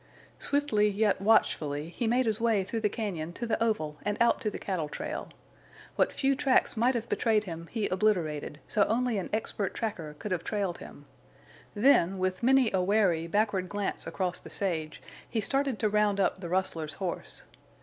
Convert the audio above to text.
Swiftly yet watchfully he made his way through the cañon to the oval and out to the cattle trail. What few tracks might have betrayed him he obliterated, so only an expert tracker could have trailed him. Then, with many a wary backward glance across the sage, he started to round up the rustler's horse.